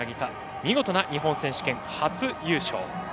見事な日本選手権、初優勝。